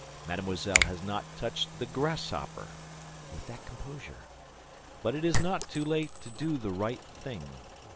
"mademoiselle has not touched the grasshopper" with that composure! "but it is not too late to do the right thing.